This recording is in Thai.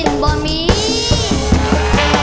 ยังเพราะความสำคัญ